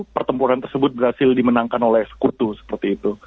pertempuran tersebut berhasil dimenangkan oleh sekutu seperti itu